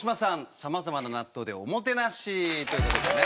さまざまな納豆でおもてなしということでね。